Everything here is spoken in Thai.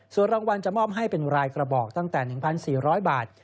ส่วนรางวัลจะมอบให้เป็นรายกระบอกตั้งแต่๑๔๐๐บาท